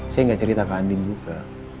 saya gak cerita ke andi juga